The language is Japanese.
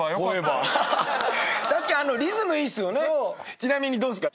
ちなみにどうですか？